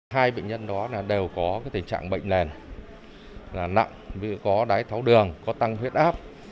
hai bệnh nhân đó đều có tình trạng bệnh nền nặng có đái tháo đường có tăng huyết áp